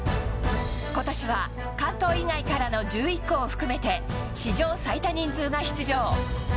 ことしは関東以外からの１１校を含めて、史上最多人数が出場。